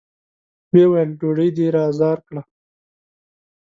ويې ويل: ډوډۍ دې را زار کړه!